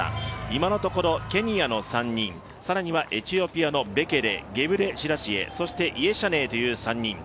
今のところケニアの３人さらにはエチオピアのゲブレシラシエそしてイェシャネーという３人。